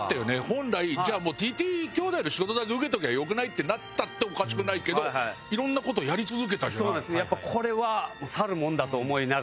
本来じゃあもうＴＴ兄弟の仕事だけ受けときゃよくない？ってなったっておかしくないけどやっぱこれは去るものだと思いながら。